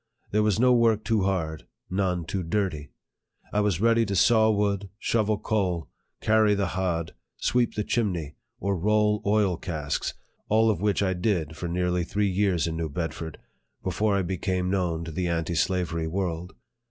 There was no work too hard none too dirty. I was ready to saw wood, shovel coal, carry the hod, sweep the chimney, or roll oil casks, all of which I did for nearly three years in New Bedford, before I became known to the anti slavery world.